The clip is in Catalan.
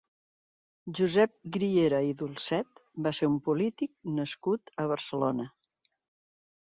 Josep Griera i Dulcet va ser un polític nascut a Barcelona.